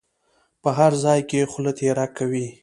په هر ځای کې خوله تېره کوي.